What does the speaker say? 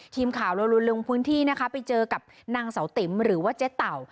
ทีมข่าวเรารุ้นลงพื้นที่นะคะไปเจอกับนางเสาติ๋มหรือว่าเจ๊เต่า